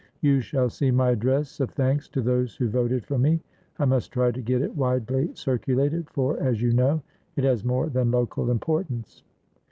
You shall see my address of thanks to those who voted for me; I must try to get it widely circulated, for, as you know, it has more than local importance.